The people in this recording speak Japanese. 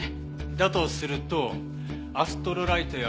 だとするとアストロライトやＰＬＸかな？